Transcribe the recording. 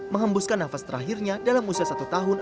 menghembuskan nafas terakhirnya dalam usia satu tahun